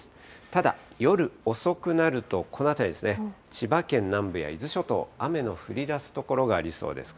ただ、夜遅くなるとこの辺りですね、千葉県南部や伊豆諸島、雨の降りだす所がありそうです。